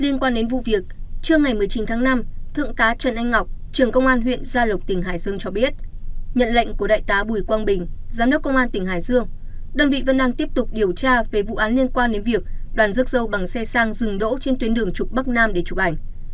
liên quan đến vụ việc trưa ngày một mươi chín tháng năm thượng tá trần anh ngọc trưởng công an huyện gia lộc tỉnh hải dương cho biết nhận lệnh của đại tá bùi quang bình giám đốc công an tỉnh hải dương đơn vị vẫn đang tiếp tục điều tra về vụ án liên quan đến việc đoàn rước dâu bằng xe sang dừng đỗ trên tuyến đường trục bắc nam để chụp ảnh